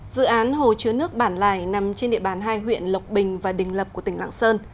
dự án hồ chứa nước bản lải nằm trên địa bàn hai huyện lộc bình và đình lập của tỉnh lạng sơn